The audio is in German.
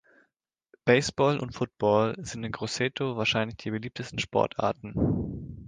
Baseball und Football sind in Grosseto wahrscheinlich die beliebtesten Sportarten.